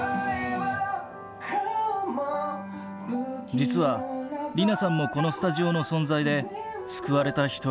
実は莉菜さんもこのスタジオの存在で救われた一人。